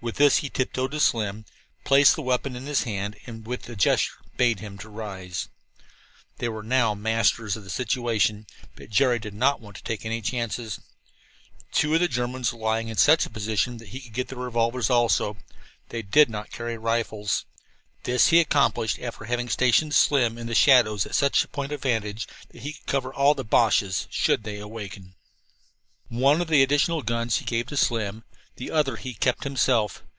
With this he tiptoed to Slim, placed the weapon in his hand and with a gesture bade him rise. They were now masters of the situation, but Jerry did not want to take any chances. Two of the Germans were lying in such a position that he could get their revolvers, also. They did not carry rifles. This he accomplished after having stationed Slim in the shadows at such a point of vantage that he could cover all of the Boches, should they awaken. One of the additional guns he gave to Slim; the other he kept himself.